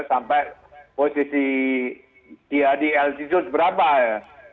sampai posisi dia di altitude berapa ya